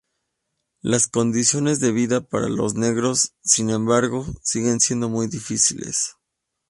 Las condiciones de vida para los negros, sin embargo, siguen siendo muy difíciles.